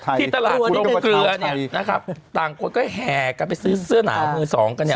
ที่ตลาดอุดมเกลือเนี่ยนะครับต่างคนก็แห่กันไปซื้อเสื้อหนาวมือสองกันเนี่ย